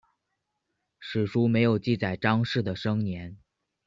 史书没有记载张氏的生年。